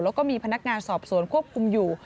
แล้วก็มีพนักงานสอบสวนควบคุมอยู่